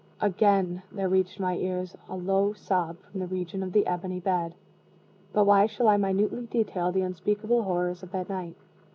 again there reached my ears a low sob from the region of the ebony bed. But why shall I minutely detail the unspeakable horrors of that night?